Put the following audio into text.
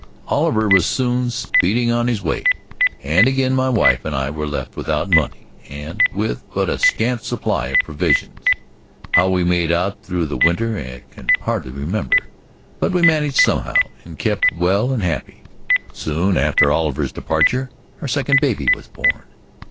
Oliver was soon speeding on his way, and again my wife and I were left without money and with but a scant supply of provisions. How we made out through the winter I can hardly remember, but we managed somehow and kept well and happy. Soon after Oliver's departure our second baby was born.